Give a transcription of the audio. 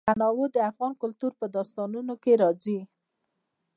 تنوع د افغان کلتور په داستانونو کې راځي.